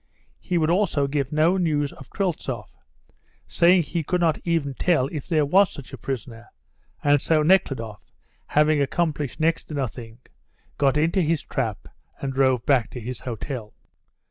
He would also give no news of Kryltzoff, saying he could not even tell if there was such a prisoner; and so Nekhludoff, having accomplished next to nothing, got into his trap and drove back to his hotel.